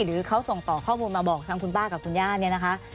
หรือเขาส่งต่อข้อมูลมาบอกทางคุณป้ากับคุณย่าเนี่ยนะคะ